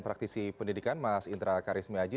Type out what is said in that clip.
praktisi pendidikan mas intra karismi haji